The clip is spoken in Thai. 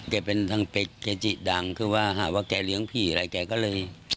แกเป็นทางเกจิดังคือว่าหาว่าแกเลี้ยงผีอะไรแกก็เลย